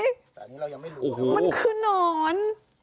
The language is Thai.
มันคือนอน